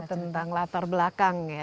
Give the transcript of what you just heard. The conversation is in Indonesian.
tentang latar belakang